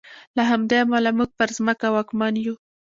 له همدې امله موږ پر ځمکه واکمن یو.